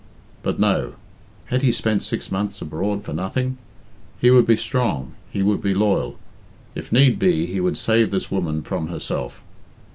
But no! Had he spent six months abroad for nothing? He would be strong; he would be loyal. If need be he would save this woman from herself.